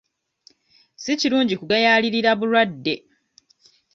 Si kirungi kugayaalirira bulwadde.